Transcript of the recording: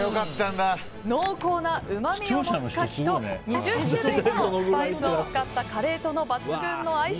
濃厚なうまみを持つカキと２０種類のスパイスを使ったカレーとの抜群の相性